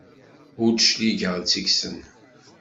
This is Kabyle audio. Ur d-cligeɣ seg-sen.